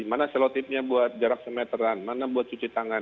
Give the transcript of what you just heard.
mana selotipnya buat jarak semeteran mana buat cuci tangan